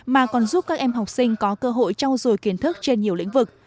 mà còn giúp các em học sinh có cơ hội trao dồi kiến thức trên nhiều lĩnh vực